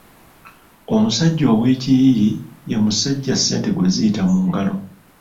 Omusajja ow’Ekiyiiyi ye musajja ssente gwe ziyita mu ngalo.